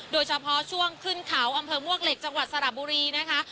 โดยเฉพาะช่วงขึ้นเขาอำเภอมวกเหล็กจังหวัดสระบุรีนะคะ